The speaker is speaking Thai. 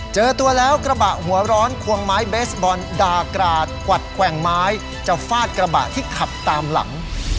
เจอตัวแล้วกระบะหัวร้อนควงไม้เบสบอลด่ากราดกวัดแกว่งไม้จะฟาดกระบะที่ขับตามหลัง